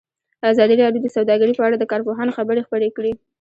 ازادي راډیو د سوداګري په اړه د کارپوهانو خبرې خپرې کړي.